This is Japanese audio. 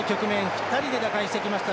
２人で打開してきました。